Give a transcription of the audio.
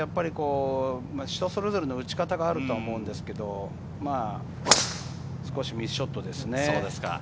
人それぞれの打ち方があると思うんですけれど、少しミスショットですね。